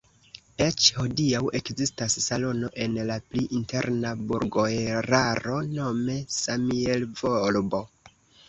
Eĉ hodiaŭ ekzistas salono en la pli interna burgoeraro nome "Samielvolbo".